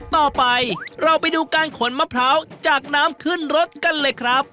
ต่อไปเราไปดูการขนมะพร้าวจากน้ำขึ้นรถกันเลยครับ